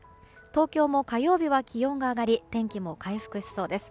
東京も火曜日は気温が上がり天気も回復しそうです。